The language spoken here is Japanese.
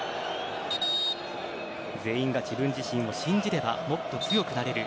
全員が自分自身を信じればもっと強くなれる。